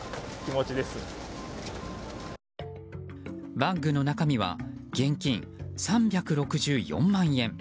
バッグの中身は現金３６４万円。